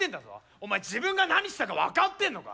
お前自分が何したか分かってんのか？